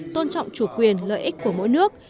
tôn trọng chủ quyền lợi ích của mỗi nước